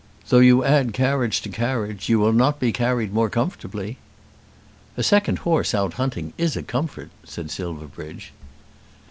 "Though you add carriage to carriage, you will not be carried more comfortably." "A second horse out hunting is a comfort," said Silverbridge.